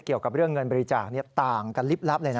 เกี่ยวกับเรื่องเงินบริจาคต่างกันลิบลับเลยนะ